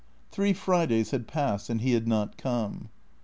Three Fridays had passed, and he had not come.